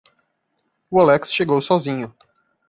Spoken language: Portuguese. O Alex chegou sozinho.